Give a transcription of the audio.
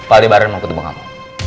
aldebaran mau ketemu kamu